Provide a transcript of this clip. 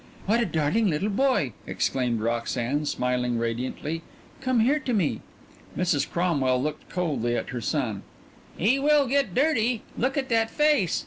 "What a darling little boy!" exclaimed Roxanne, smiling radiantly. "Come here to me." Mrs. Cromwell looked coldly at her son. "He will get dirty. Look at that face!"